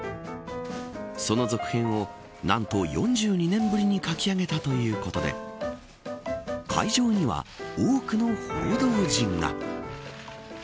その続編を何と４２年ぶりに書き上げたということで会場には多くの報道陣が。